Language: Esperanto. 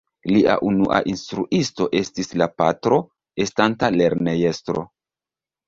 Lia unua instruisto estis la patro estanta lernejestro.